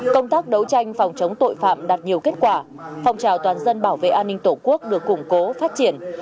công tác đấu tranh phòng chống tội phạm đạt nhiều kết quả phong trào toàn dân bảo vệ an ninh tổ quốc được củng cố phát triển